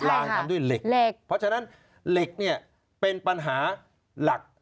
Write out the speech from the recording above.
ทำด้วยเหล็กเพราะฉะนั้นเหล็กเนี่ยเป็นปัญหาหลัก